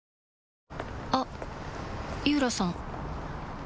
あっ井浦さん